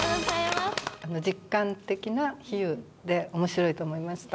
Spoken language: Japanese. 実感的な比喩で面白いと思いました。